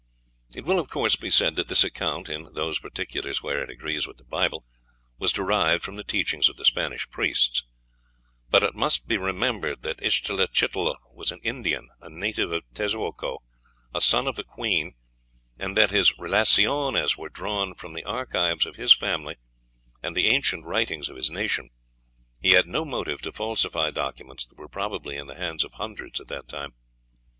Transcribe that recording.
ix., pp. 321, 322.) It will of course be said that this account, in those particulars where it agrees with the Bible, was derived from the teachings of the Spanish priests; but it must be remembered that Ixtlilxochitl was an Indian, a native of Tezeuco, a son of the queen, and that his "Relaciones" were drawn from the archives of his family and the ancient writings of his nation: he had no motive to falsify documents that were probably in the hands of hundreds at that time.